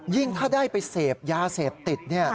ถ้าได้ไปเสพยาเสพติด